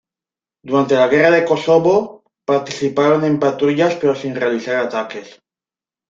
Durante la Guerra de Kosovo participaron en patrullas pero sin realizar ataques.